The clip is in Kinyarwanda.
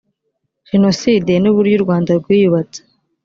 jenoside n uburyo u rwanda rwiyubatse